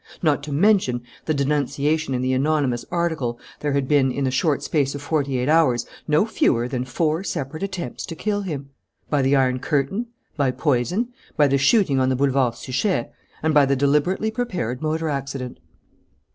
Not to mention the denunciation in the anonymous article, there had been, in the short space of forty eight hours, no fewer than four separate attempts to kill him: by the iron curtain, by poison, by the shooting on the Boulevard Suchet, and by the deliberately prepared motor accident.